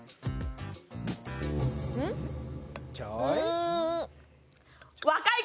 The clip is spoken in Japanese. うん？